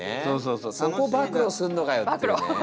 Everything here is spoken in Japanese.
そこ暴露すんのかよってね。